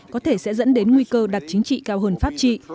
có thể sẽ dẫn đến nguy cơ đặt chính trị cao hơn pháp trị